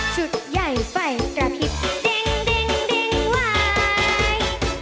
ชุดแย่ไฟปราพิปดึงดึงดึงวาย